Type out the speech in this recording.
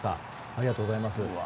ありがとうございます。